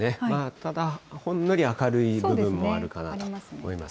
ただ、ほんのり明るい部分もあるかなと思います。